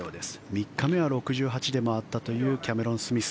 ３日目は６８で回ったというキャメロン・スミス。